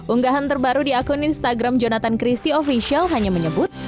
unggahan terbaru di akun instagram jonathan christie official hanya menyebut